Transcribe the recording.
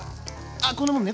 あこんなもんね！